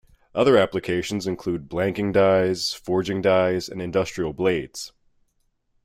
Other applications include blanking dies, forging dies, and industrial blades.